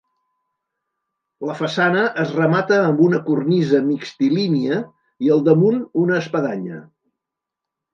La façana es remata amb una cornisa mixtilínia, i al damunt, una espadanya.